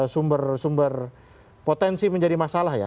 sumber sumber potensi menjadi masalah ya